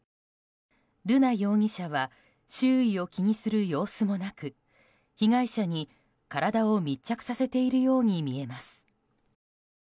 瑠奈容疑者は周囲を気にする様子もなく被害者に体を密着させているように見えます。